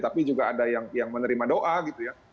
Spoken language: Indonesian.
tapi juga ada yang menerima doa gitu ya